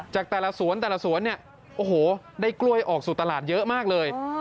จากแต่ละสวนแต่ละสวนเนี่ยโอ้โหได้กล้วยออกสู่ตลาดเยอะมากเลย